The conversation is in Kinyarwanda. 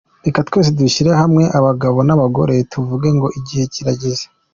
Reka twese dushyire hamwe abagabo n’ abagore tuvuge ngo igihe kirageze”.